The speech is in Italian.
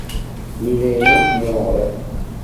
Milena muore.